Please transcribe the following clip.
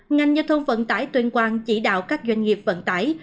ngành nhà thông vận tải tuyên quan chỉ đạo các doanh nghiệp vận tải